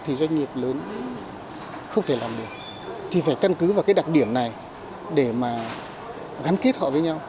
thì phải căn cứ vào cái đặc điểm này để mà gắn kết họ với nhau